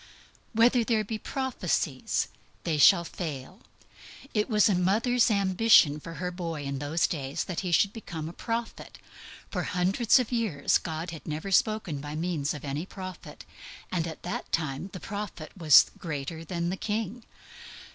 "Whether there be prophecies, they shall be done away." It was the mother's ambition for her boy in those days that he should become a prophet. For hundreds of years God had never spoken by means of any prophet, and at that time the prophet was greater than the king.